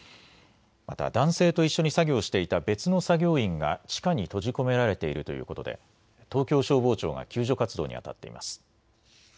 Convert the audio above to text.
また男性と一緒に作業していた別の作業員が地下に閉じ込められているということで東京消防庁が救助活動にあたっています。